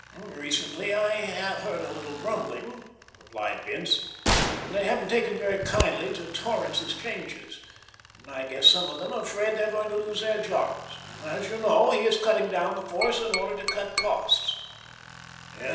"Recently I have heard a little grumbling," replied Bince. "They haven't taken very kindly to Torrance's changes, and I guess some of them are afraid they are going to lose their jobs, as they know he is cutting down the force in order to cut costs."